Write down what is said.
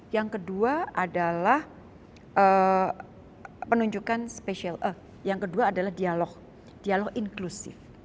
yang kedua adalah penunjukan special eff yang kedua adalah dialog dialog inklusif